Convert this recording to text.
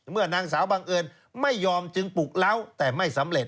นางสาวบังเอิญไม่ยอมจึงปลุกเล้าแต่ไม่สำเร็จ